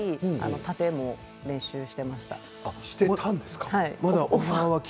勝手に練習していました。